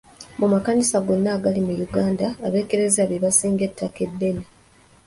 Mu makanisa gonna agali mu Uganda, ab'ekereziya be basinga ettaka ddene.